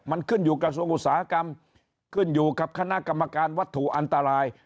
มันขึ้นอยู่กระทรวงอุตสาหกรรมขึ้นอยู่กับคณะกรรมการวัตถุอันตราย